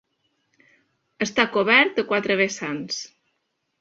Està cobert a quatre vessants.